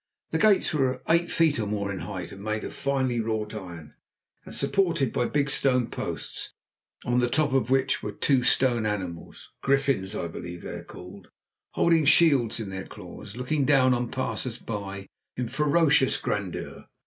The gates were eight feet or more in height, made of finely wrought iron, and supported by big stone posts, on the top of which two stone animals griffins, I believe they are called holding shields in their claws, looked down on passers by in ferocious grandeur.